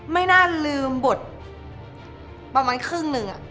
ไม่น่าลืมบทประมาณครึ่งหนึ่ง